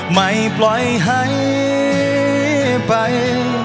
ไม่ปล่อยให้ไป